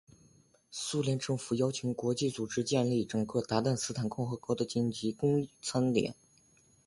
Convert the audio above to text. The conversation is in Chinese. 苏联政府邀请国际组织建立整个鞑靼斯坦共和国的紧急供餐点。